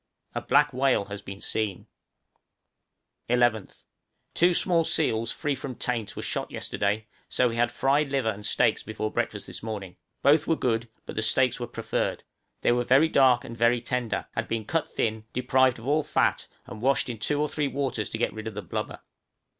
A black whale has been seen. {SEAL STEAKS.} 11th. Two small seals free from taint were shot yesterday, so we had fried liver and steaks for breakfast this morning; both were good, but the steaks were preferred; they were very dark and very tender, had been cut thin, deprived of all fat, and washed in two or three waters to get rid of the blubber.